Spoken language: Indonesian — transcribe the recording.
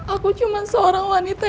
aku cuma seorang wanita